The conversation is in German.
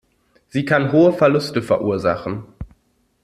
Sie kann hohe Verluste verursachen.